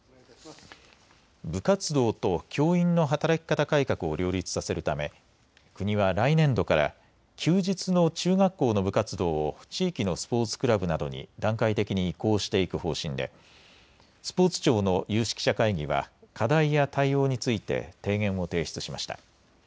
部活動と教員の働き方改革を両立させるため国は来年度から休日の中学校の部活動を地域のスポーツクラブなどに段階的に移行していく方針でスポーツ庁の有識者会議は課題や対応について提言を提出しました。